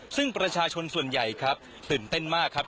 ซึ่งประชาชนส่วนใหญ่ครับตื่นเต้นมากครับ